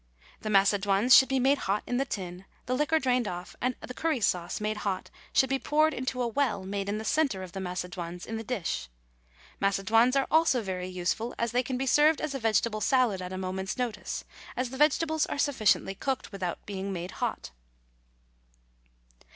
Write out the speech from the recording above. The macedoines should be made hot in the tin, the liquor drained off, and the curry sauce, made hot, should be poured into a well made in the centre of the macedoines in the dish. Macedoines are also very useful, as they can be served as a vegetable salad at a moment's notice, as the vegetables are sufficiently cooked without being made hot.